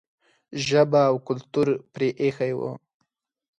ژبه او کلتور پرې ایښی و.